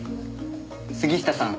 杉下さん